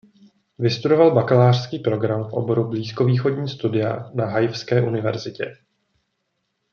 Vystudoval bakalářský program v oboru blízkovýchodní studia na Haifské univerzitě.